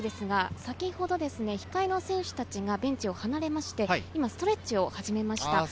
先ほど控えの選手達がベンチを離れて、ストレッチを始めました。